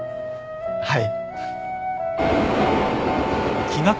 はい。